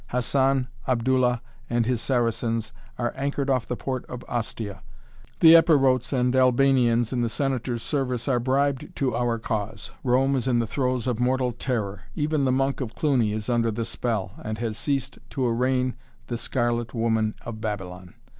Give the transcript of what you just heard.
"Hassan Abdullah and his Saracens are anchored off the port of Ostia. The Epirotes and Albanians in the Senator's service are bribed to our cause. Rome is in the throes of mortal terror. Even the Monk of Cluny is under the spell, and has ceased to arraign the Scarlet Woman of Babylon.